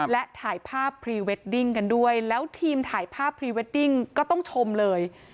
และถ่ายภาพพรีเวดดิ้งกันด้วยแล้วทีมถ่ายภาพพรีเวดดิ้งก็ต้องชมเลย